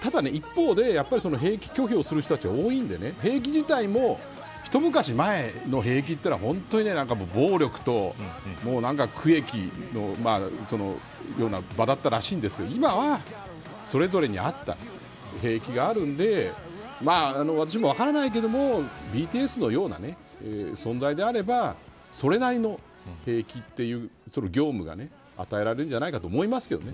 ただ、一方でやっぱり兵役拒否をする人たちが多いので兵役自体も一昔前の兵役というのは本当に暴力と苦役のような場だったらしいんですけど今は、それぞれに合った兵役があるので私も分からないけれどもＢＴＳのような存在であればそれなりの兵役という業務が与えられるんじゃないかと思いますけどね。